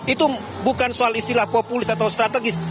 itu bukan soal istilah populis atau strategis